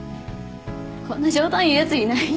こんな冗談言うやついないっしょ。